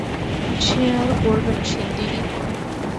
কী আর করবেন সেনদিদি?